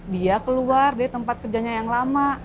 dia keluar dia tempat kerjanya yang lama